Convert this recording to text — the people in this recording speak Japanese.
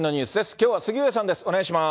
きょうは杉上さんです。